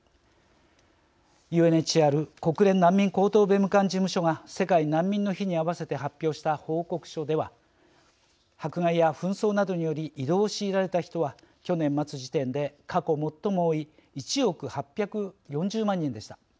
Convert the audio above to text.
ＵＮＨＣＲ＝国連難民高等弁務官事務所が世界難民の日にあわせて発表した報告書では迫害や紛争などにより移動を強いられた人は去年末時点で過去最も多い１億８４０万人でした。